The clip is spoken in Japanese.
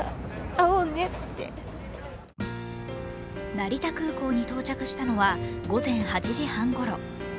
成田空港に到着したのは午前８時半ごろ。